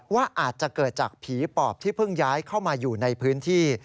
ว่าอาจจะเกิดจากผีปอบที่เพิ่งย้ายเข้ามาอยู่ในพื้นที่